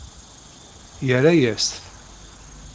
Yerra-yas-t.